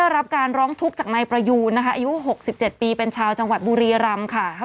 ร้องทุกข์จากนายประยูนะคะอายุหกสิบเจ็ดปีเป็นชาวจังหวัดบุรีรัมค์ค่ะ